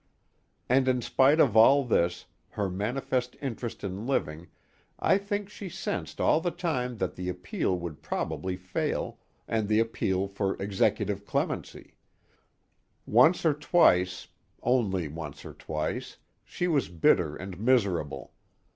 And in spite of all this, her manifest interest in living, I think she sensed all the time that the appeal would probably fail, and the appeal for executive clemency. Once or twice only once or twice she was bitter and miserable.